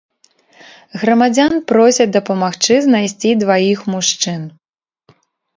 Грамадзян просяць дапамагчы знайсці дваіх мужчын.